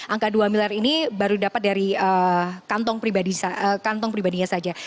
angka dua miliar ini baru didapat dari kantong pribadinya saja